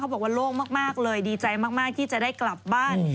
บอกว่าโล่งมากเลยดีใจมากที่จะได้กลับบ้าน